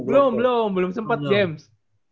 belum belum belum sempet james